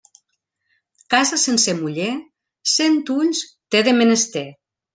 Casa sense muller, cent ulls té de menester.